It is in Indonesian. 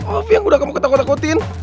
tapi yang udah kamu ketakut takutin